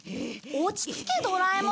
落ち着けドラえもん。